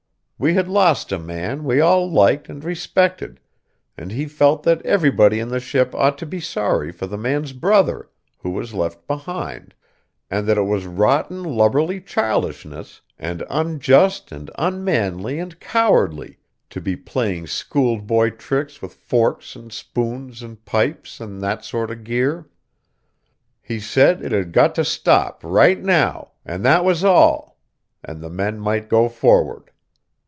We had lost a man we all liked and respected, and he felt that everybody in the ship ought to be sorry for the man's brother, who was left behind, and that it was rotten lubberly childishness, and unjust and unmanly and cowardly, to be playing schoolboy tricks with forks and spoons and pipes, and that sort of gear. He said it had got to stop right now, and that was all, and the men might go forward.